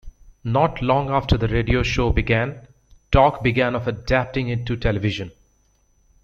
Not long after the radio show began, talk began of adapting it to television.